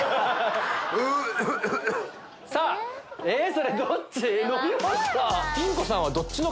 それどっち⁉飲み干した。